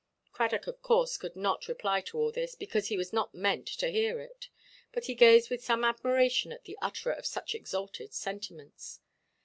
Cradock, of course, could not reply to all this, because he was not meant to hear it; but he gazed with some admiration at the utterer of such exalted sentiments.